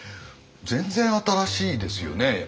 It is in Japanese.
全然新しいですよね。